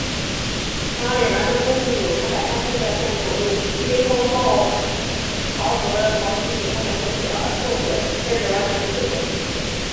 马里兰州东部有成百上千的建筑物因风暴潮和潮汐引发的洪水而受损甚至完全被摧毁。